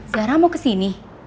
zara mau kesini